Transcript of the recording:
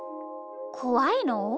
こわいの？